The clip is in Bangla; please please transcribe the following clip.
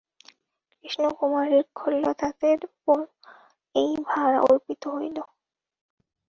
কৃষ্ণকুমারীর খুল্লতাতের উপর এই ভার অর্পিত হইল।